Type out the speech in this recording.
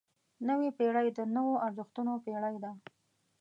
نوې پېړۍ د نویو ارزښتونو پېړۍ ده.